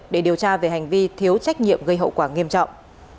để điều tra về hành vi thiếu trách nhiệm gây hậu quả nghiêm trọng